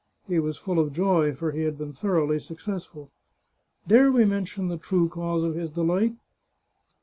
He was full of joy, for he had been thoroughly successful. Dare we mention the true cause of his delight?